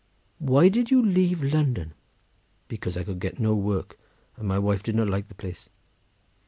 "Why did you leave London?" "Because I could get no work, and my wife did not like the place."